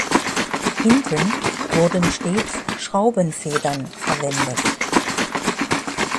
Hinten wurden stets Schraubenfedern verwendet.